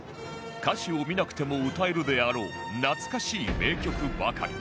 歌詞を見なくても歌えるであろうなつかしい名曲ばかり